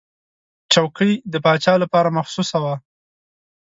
چوکۍ د پاچا لپاره مخصوصه وه.